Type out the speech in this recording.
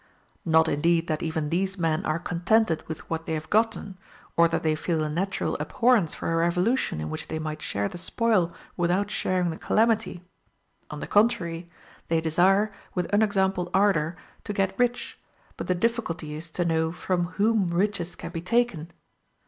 Not indeed that even these men are contented with what they have gotten, or that they feel a natural abhorrence for a revolution in which they might share the spoil without sharing the calamity; on the contrary, they desire, with unexampled ardor, to get rich, but the difficulty is to know from whom riches can be taken.